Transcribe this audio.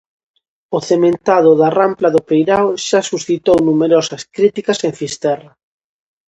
O cementado da rampla do peirao xa suscitou numerosas críticas en Fisterra.